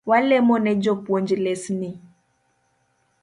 Walemone jopuonj lesni